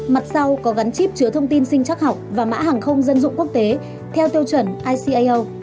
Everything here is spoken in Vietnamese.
mặt sau có gắn chip chứa thông tin sinh chắc học và mã hàng không dân dụng quốc tế theo tiêu chuẩn icao